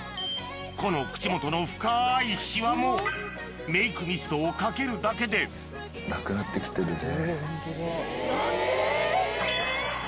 この口元の深いシワもメイクミストをかけるだけでなくなってきてるね。